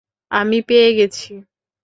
আমি পেয়ে গেছি।